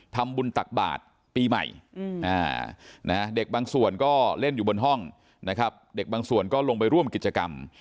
ตักบาทปีใหม่เด็กบางส่วนก็เล่นอยู่บนห้องนะครับเด็กบางส่วนก็ลงไปร่วมกิจกรรม